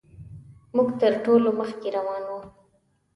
موږ تر ټولو مخکې روان وو.